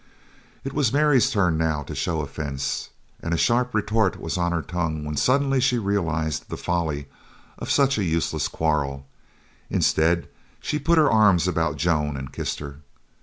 It was Mary's turn now to show offense, and a sharp retort was on her tongue when suddenly she realized the folly of such a useless quarrel. Instead she put her arms about Joan and kissed her.